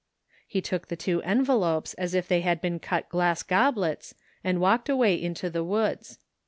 He took the two envelopes as if they had been cut glass goblets and walked away into the woods.